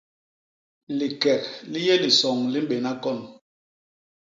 Likek li yé lisoñ li mbéna kon.